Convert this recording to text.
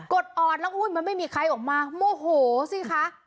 อดออดแล้วอุ้ยมันไม่มีใครออกมาโมโหสิคะ